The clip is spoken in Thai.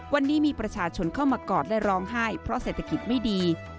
วันนี้มีประชาชนเข้ามากอดและร้องไห้เพราะเศรษฐกิจไม่ดี